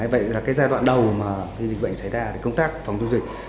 vậy là cái giai đoạn đầu mà khi dịch bệnh xảy ra thì công tác phòng chống dịch